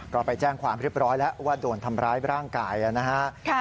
ก็ไปแจ้งความเรียบร้อยแล้วว่าโดนทำร้ายร่างกายนะฮะ